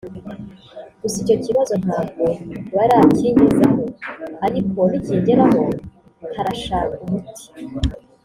gusa icyo kibazo ntabwo barakingezaho ariko nikingeraho tarashaka umuti